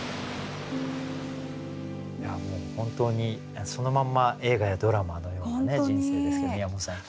いやもう本当にそのまんま映画やドラマのようなね人生ですけど宮本さん